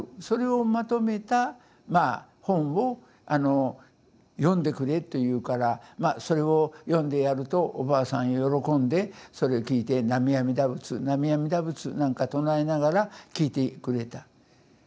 それをまとめたまあ本を読んでくれと言うからそれを読んでやるとおばあさんは喜んでそれ聞いて「南無阿弥陀仏南無阿弥陀仏」なんか唱えながら聞いてくれた。